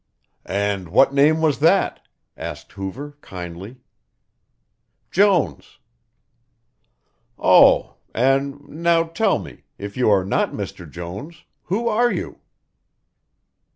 "And what name was that?" asked Hoover kindly. "Jones." "Oh, and now tell me, if you are not Mr. Jones, who are you?"